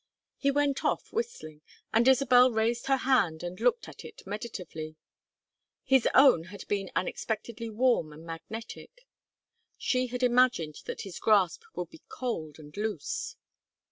He went off whistling, and Isabel raised her hand and looked at it meditatively; his own had been unexpectedly warm and magnetic. She had imagined that his grasp would be cold and loose.